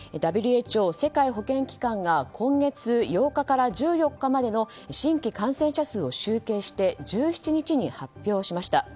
ＷＨＯ・世界保健機関が今月８日から１４日までの新規感染者数を集計して１７日に発表しました。